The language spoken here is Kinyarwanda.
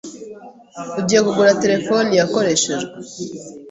ugiye kugura telefone yakoreshejwe